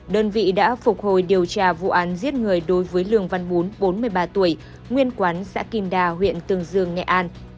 đơn vị đã phục hồi điều tra vụ án giết người đối với lường văn bún bốn mươi ba tuổi nguyên quán xã kim đa huyện tương dương nghệ an